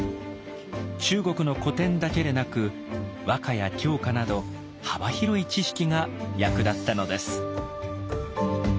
中国の古典だけでなく和歌や狂歌など幅広い知識が役立ったのです。